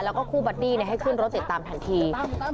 แล้วก็คู่บัดดี้ให้ขึ้นรถติดตามทันที